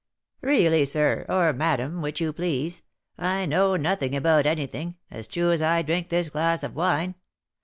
"Really, sir, or madam, which you please, I know nothing about anything, as true as I drink this glass of wine.